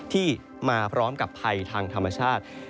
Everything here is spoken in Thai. ที่มาพร้อมกับภัยทางธรรมชาติ